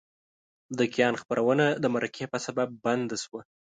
د کیان خپرونه د مرکې په سبب بنده شوه.